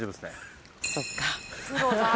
そっか。